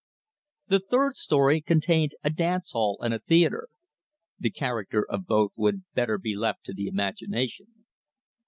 The third story contained a dance hall and a theater. The character of both would better be left to the imagination.